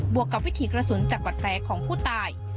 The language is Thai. วกกับวิถีกระสุนจากบัตรแผลของผู้ตาย